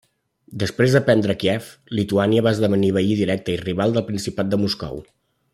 Després de prendre Kíev, Lituània va esdevenir veí directe i rival del Principat de Moscou.